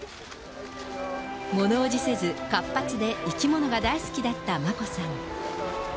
ものおじせず、活発で、生き物が大好きだった眞子さん。